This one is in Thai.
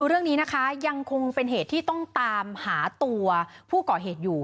เรื่องนี้นะคะยังคงเป็นเหตุที่ต้องตามหาตัวผู้ก่อเหตุอยู่